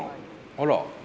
あら。